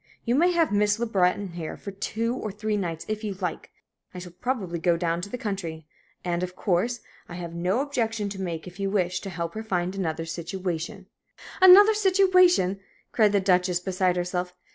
You may have Miss Le Breton here for two or three nights if you like I shall probably go down to the country and, of course, I have no objection to make if you wish to help her find another situation " "Another situation!" cried the Duchess, beside herself.